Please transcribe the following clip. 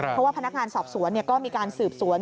เพราะว่าพนักงานสอบสวนก็มีการสืบสวน